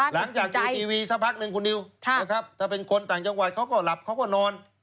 หลังจากดูทีวีสักพักหนึ่งคุณนิวนะครับถ้าเป็นคนต่างจังหวัดเขาก็หลับเขาก็นอน